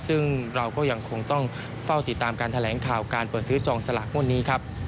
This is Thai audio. ซึ่งเราก็ยังคงต้องเฝ้าติดตามการแถลงข่าวการเปิดซื้อจองสลากงวดนี้ครับ